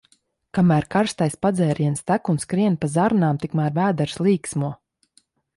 Kamēr karstais padzēriens tek un skrien pa zarnām, tikmēr vēders līksmo.